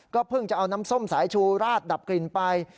เพิ่งจะเอาน้ำส้มสายชูราดดับกลิ่นไป